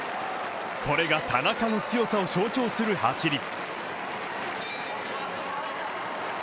これが田中の強さを象徴する走り。